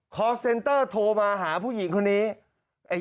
เซ็นเตอร์โทรมาหาผู้หญิงคนนี้